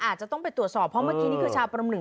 อาจจะต้องไปตรวจสอบเพราะเมื่อกี้นี่คือชาวประมหนึ่ง